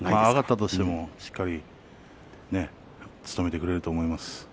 上がったとしてもしっかり務めてくれると思います。